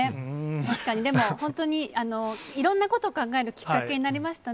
確かに、でも本当にいろんなこと考えるきっかけになりましたね。